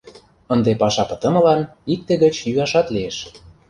Ынде паша пытымылан икте гыч йӱашат лиеш.